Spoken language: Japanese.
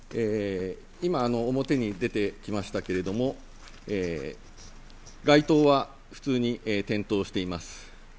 今、表に出てきましたけれども街灯は普通に転倒しています。